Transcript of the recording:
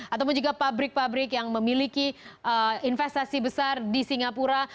ataupun juga pabrik pabrik yang memiliki investasi besar di singapura